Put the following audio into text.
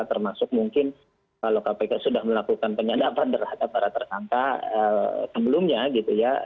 termasuk mungkin kalau kpk sudah melakukan penyadapan terhadap para tersangka sebelumnya gitu ya